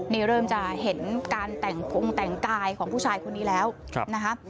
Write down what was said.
นี่เริ่มจะเห็นการแต่งพงแต่งกายของผู้ชายคนนี้แล้วนะคะ